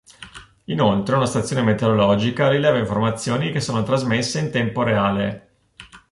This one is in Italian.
Inoltre una stazione meteorologica rileva informazioni che sono trasmesse in tempo reale.